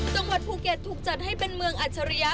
จังหวัดภูเก็ตถูกจัดให้เป็นเมืองอัจฉริยะ